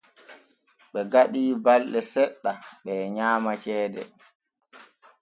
Ɓe gaɗi balɗe seɗɗa ɓee nyaama ceede.